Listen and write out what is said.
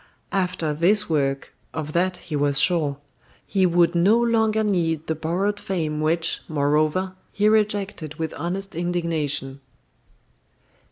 After this work of that he was sure he would no longer need the borrowed fame which, moreover, he rejected with honest indignation.